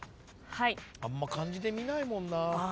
・あんま漢字で見ないもんな。